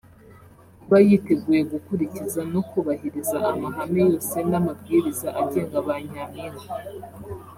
Kuba yiteguye gukurikiza no kubahiriza amahame yose n’ amabwiriza agenga ba nyampinga